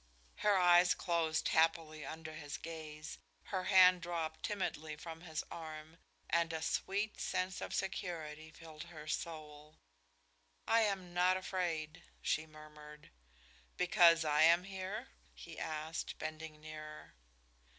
Her eyes closed happily under his gaze, her hand dropped timidly from his arm and a sweet sense of security filled her soul. "I am not afraid," she murmured. "Because I am here?" he asked, bending nearer.